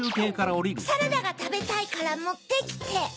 サラダがたべたいからもってきて。